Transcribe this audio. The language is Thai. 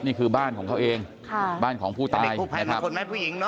นี่คือบ้านของเขาเองบ้านของผู้ตายนะครับ